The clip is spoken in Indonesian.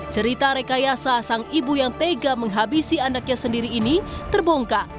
cerita rekayasa sang ibu yang tega menghabisi anaknya sendiri ini terbongkar